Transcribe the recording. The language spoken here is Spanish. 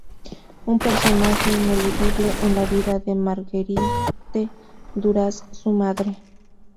Un personaje ineludible, en la vida de Marguerite Duras: su madre.